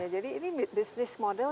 jadi ini business model